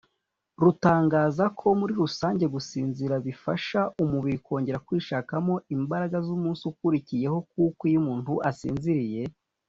rutangaza ko muri rusange gusinzira bifasha umubiri kongera kwishakamo imbaraga z’umunsi ukurikiyeho kuko iyo umuntu asinziriye